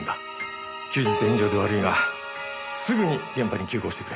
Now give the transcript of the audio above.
休日返上で悪いがすぐに現場に急行してくれ。